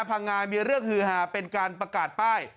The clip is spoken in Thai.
พังงามีเรื่องฮือหาเป็นการประกาศป้าย